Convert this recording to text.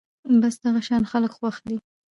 بس دغه شان خلک خوښ دي